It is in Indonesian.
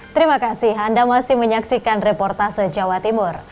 terima kasih anda masih menyaksikan reportase jawa timur